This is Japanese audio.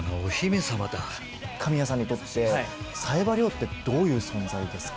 神谷さんにとって、冴羽りょうってどういう存在ですか？